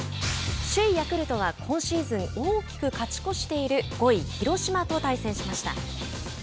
首位ヤクルトは、今シーズン大きく勝ち越している５位広島と対戦しました。